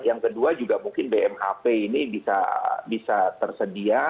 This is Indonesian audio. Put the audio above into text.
yang kedua juga mungkin bmhp ini bisa tersedia